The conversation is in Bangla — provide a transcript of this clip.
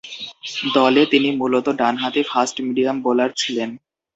দলে তিনি মূলতঃ ডানহাতি ফাস্ট মিডিয়াম বোলার ছিলেন।